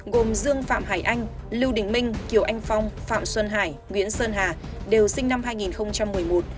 gồm dương phạm hải anh lưu đình minh kiều anh phong phạm xuân hải nguyễn sơn hà đều sinh năm hai nghìn một mươi một